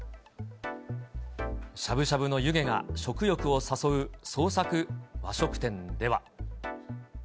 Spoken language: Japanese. しゃぶしゃぶの湯気が食欲を笹生創作和食店では。